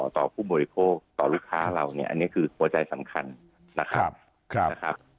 ผู้บริโภคต่อลูกค้าเราเนี่ยอันนี้คือหัวใจสำคัญนะครับ